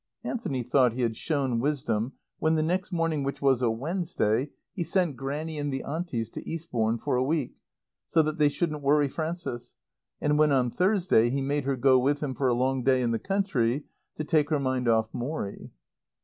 Anthony thought he had shown wisdom when, the next morning which was a Wednesday, he sent Grannie and the Aunties to Eastbourne for a week, so that they shouldn't worry Frances, and when on Thursday he made her go with him for a long day in the country, to take her mind off Morrie.